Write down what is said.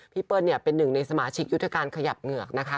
เปิ้ลเป็นหนึ่งในสมาชิกยุทธการขยับเหงือกนะคะ